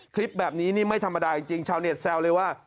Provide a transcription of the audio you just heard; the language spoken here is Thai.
คลิปแบบนี้นี่ไม่ธรรมดาจริงชาวเน็ตแซวเลยว่า